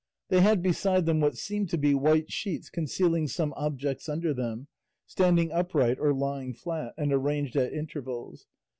They had beside them what seemed to be white sheets concealing some objects under them, standing upright or lying flat, and arranged at intervals.